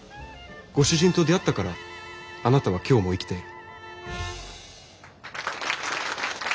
ご主人と出会ったからあなたは今日も生きている。